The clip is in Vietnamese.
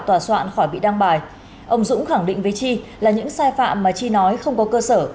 tòa soạn khỏi bị đăng bài ông dũng khẳng định với chi là những sai phạm mà chi nói không có cơ sở